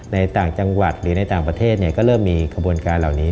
ต่างจังหวัดหรือในต่างประเทศก็เริ่มมีขบวนการเหล่านี้